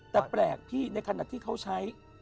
แต่แปลกพี่ในขณะที่เขาใช้